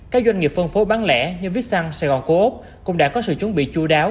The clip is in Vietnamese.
các doanh nghiệp phân phối bán lẻ như vietsan sài gòn cố úc cũng đã có sự chuẩn bị chú đáo